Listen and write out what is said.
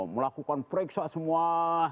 melakukan periksa semua